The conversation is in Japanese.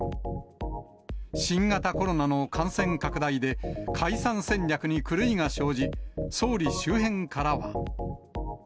新型コロナの感染拡大で、解散戦略に狂いが生じ、総理周辺からは。